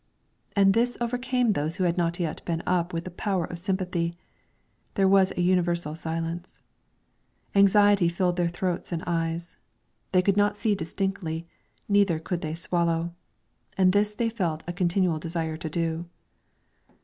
And this overcame those who had not yet been up with the power of sympathy; there was a universal silence. Anxiety filled their throats and eyes; they could not see distinctly, neither could they swallow; and this they felt a continual desire to do.